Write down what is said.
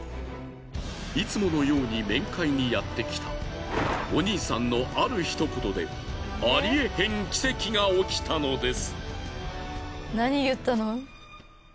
いつものように面会にやってきたお兄さんのある一言でありえへん奇跡が起きたのです。